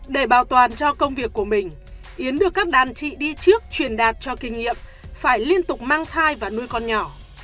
để bảo toàn cho công việc của mình yến được các đàn chị đi trước truyền đạt cho kinh nghiệm phải liên tục mang thai và nuôi con nhỏ